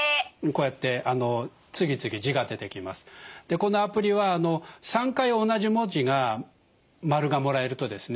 このアプリは３回同じ文字が○がもらえるとですね